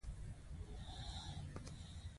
په ترتیب سره په تور، اسماني او ژیړ رنګونو ښودل شوي دي.